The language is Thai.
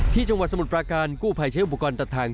ที่จังหวัดสมุทรภารการคู่ไภใช้อุปกรณ์ตัดทาง